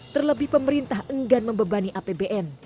terlebih pemerintah enggan membebani apbn